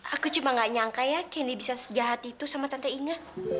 aku cuma gak nyangka yakin dia bisa sejahat itu sama tante inga